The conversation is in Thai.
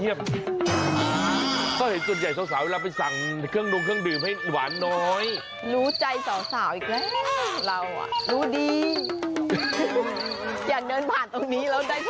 อยากเดินผ่านตรงนี้แล้วได้โชคของทุกที่เข้ากันนะ